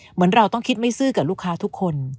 เหมือนเราต้องคิดไม่ซื้อกับลูกค้าทุกคน